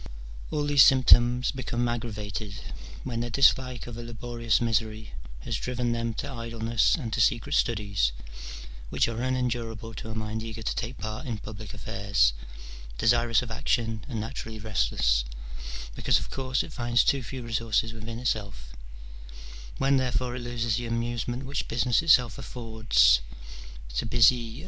All these symptoms become aggravated when their dislike of a laborious misery has driven them to idleness and to secret studies, which are un endurable to a mind eager to take part in public affairs, desirous of action and naturally restless, because, of course, it finds too few resources within itself : when therefore it loses the amusement which business itself affords to busy CH.